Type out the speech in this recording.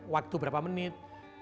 waktu berapa menit